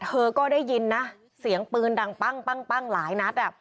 เธอก็ได้ยินนะเสียงปืนดังปั้งหลายนัด